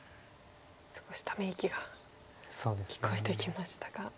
少しため息が聞こえてきましたが。